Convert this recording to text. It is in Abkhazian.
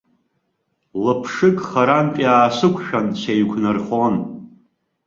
Лаԥшык, харантә иаасықәшәан, сеиқәнархон.